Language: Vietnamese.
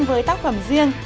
với tác phẩm riêng